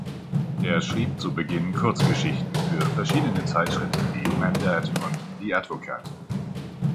Er schrieb zu Beginn Kurzgeschichten für verschiedene Zeitschriften wie Mandate und The Advocate.